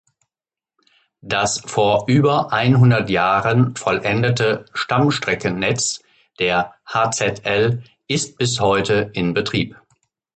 Das vor über einhundert Jahren vollendete Stammstrecken-Netz der HzL ist bis heute in Betrieb.